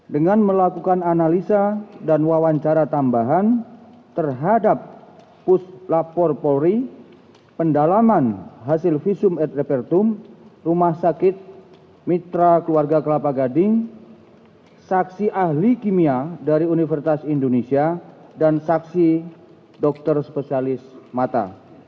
dengan melakukan analisa dan wawancara tambahan terhadap puslapor polri pendalaman hasil visum et repertum rumah sakit mitra keluarga kelapa gading saksi ahli kimia dari universitas indonesia dan saksi dokter spesialis mata